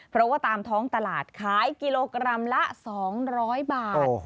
เพราะว่าตามท้องตลาดขายกิโลกรัมละ๒๐๐บาท